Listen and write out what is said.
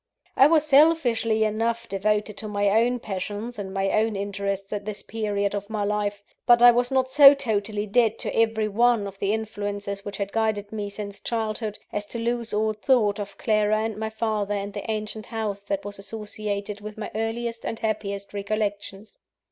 I was selfishly enough devoted to my own passions and my own interests, at this period of my life; but I was not so totally dead to every one of the influences which had guided me since childhood, as to lose all thought of Clara and my father, and the ancient house that was associated with my earliest and happiest recollections.